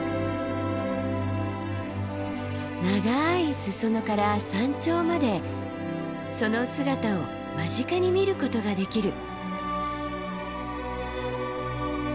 長い裾野から山頂までその姿を間近に見ることができる。